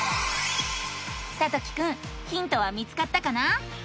さときくんヒントは見つかったかな？